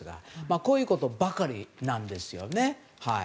こういうことばかりなんですね。